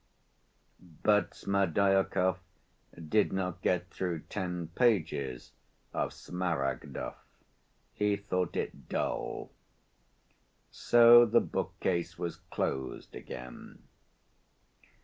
But Smerdyakov did not get through ten pages of Smaragdov. He thought it dull. So the bookcase was closed again.